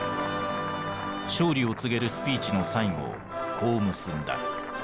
勝利を告げるスピーチの最後をこう結んだ。